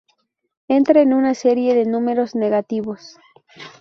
Entra en una serie de números negativos.